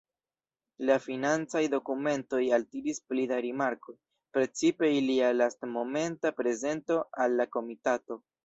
La financaj dokumentoj altiris pli da rimarkoj, precipe ilia lastmomenta prezento al la komitato.